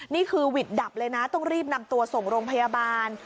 นี่คือหวิดดับเลยนะต้องรีบนำตัวส่งโรงพยาบาล